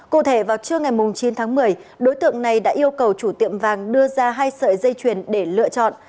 cụ thể vào trưa ngày chín tháng một mươi đối tượng này đã yêu cầu chủ tiệm vàng đưa ra hai sợi dây chuyền để lựa chọn